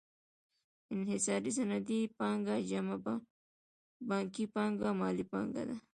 انحصاري صنعتي پانګه جمع بانکي پانګه مالي پانګه ده